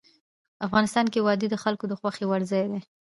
افغانستان کې وادي د خلکو د خوښې وړ ځای دی.